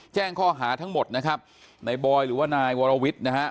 แจ้งข้อหาทั้งหมดนะครับในบอยหรือว่านายวรวิทย์นะฮะ